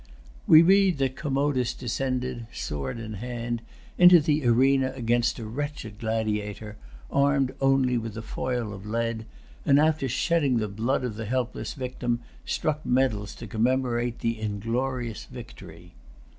We read that Commodus descended, sword in hand, into the arena against a wretched gladiator, armed only with a foil of lead, and after shedding the blood of the helpless victim, struck medals to commemorate the inglorious victory.